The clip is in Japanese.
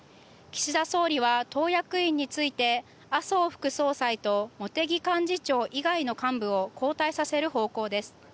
岸田総理は党役員について麻生副総裁と茂木幹事長以外の幹部を交代させる方向です。